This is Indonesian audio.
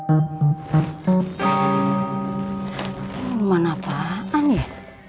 ini ilman apaan ya